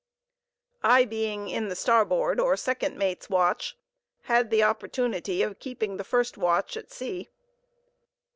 I being in the starboard, or second mate's watch, had the opportunity of keeping the first watch at sea.